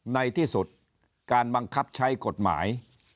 ในที่สุดการบังคับใช้กฎหมาย